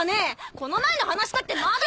この前の話だってまだ。